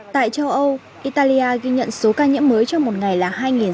tại châu âu italia ghi nhận số ca nhiễm mới trong một ngày là hai sáu trăm năm mươi một